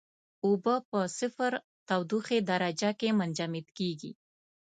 اوبه په صفر تودوخې درجه کې منجمد کیږي.